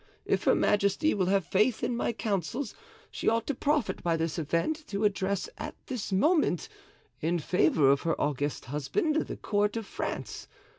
If her majesty will have faith in my counsels she ought to profit by this event to address at this moment, in favor of her august husband, the court of France.